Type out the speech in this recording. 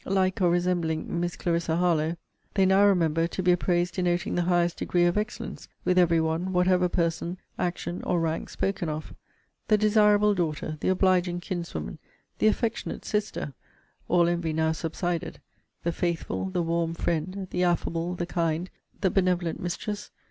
Like, or resembling, Miss Clarissa Harlowe, they now remember to be a praise denoting the highest degree of excellence, with every one, whatever person, action, or rank, spoken of. The desirable daughter; the obliging kinswoman; the affectionate sister, (all envy now subsided!) the faithful, the warm friend; the affable, the kind, the benevolent mistress!